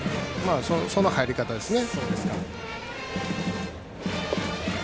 その入り方ですね。